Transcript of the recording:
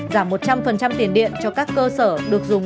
giảm một trăm linh tiền điện cho các cơ sở được dùng